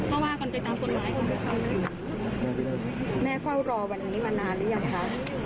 ก็ว่ากันไปตามกฎหมายแม่เฝ้ารอวันนี้มานานหรือยังคะ